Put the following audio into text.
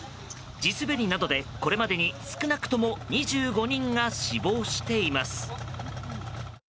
地滑りなどでこれまでに少なくとも２５人が死亡しています。